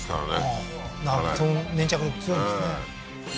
ああーなるほど粘着力強いんですね